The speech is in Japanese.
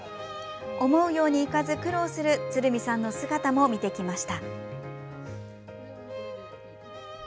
思うようにいかず苦労する鶴見さんの姿も見てきました。